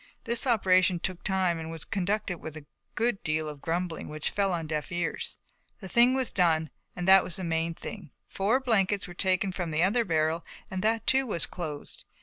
This operation took time and was conducted with a good deal of grumbling which fell on deaf ears. The thing was done and that was the main thing. Four blankets were taken from the other barrel and that too was closed.